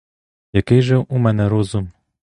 Який же у мене розум?